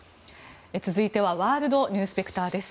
続いてはワールドニュースペクターです。